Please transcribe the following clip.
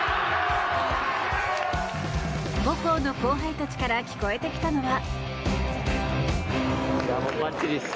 母校の後輩たちから聞こえてきたのは。